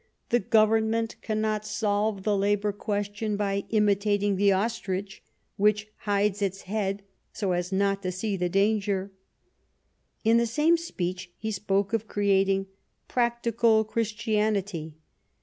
The Government cannot solve the labour question by imitating the ostrich, which hides its head so as not to see the danger." In this same speech he spoke of creating " prac tical Christianity."